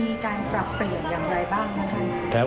มีการปรับเปลี่ยนอย่างไรบ้างนะคะ